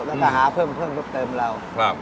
แล้วก็หาเพิ่มเพิ่มเติมเรา